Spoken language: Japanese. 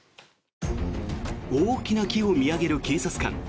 大きな木を見上げる警察官。